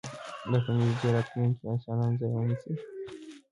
ایا روبوټونه به په نږدې راتلونکي کې د انسانانو ځای ونیسي؟